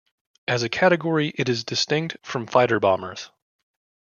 As a category, it is distinct from fighter-bombers.